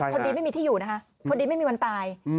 พอดีไม่มีที่อยู่นะคะพอดีไม่มีวันตาย